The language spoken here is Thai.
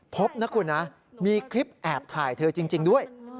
พบนะคุณนะมีคลิปแอบถ่ายเธอจริงด้วย